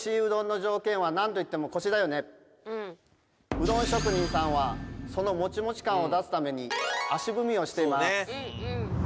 うどん職人さんはそのモチモチ感を出すために「足踏み」をしています。